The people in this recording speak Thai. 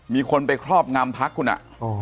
มีคนไปครอบงำพักคุณอ่ะ